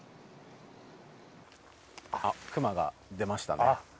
クマが出ましたね。